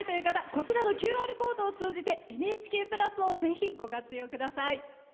こちらのＱＲコードを通じて「ＮＨＫプラス」をぜひご活用ください。